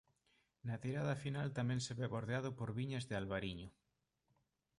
Na tirada final tamén se ve bordeado por viñas de albariño.